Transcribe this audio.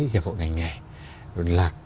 hiệp hội ngành nghề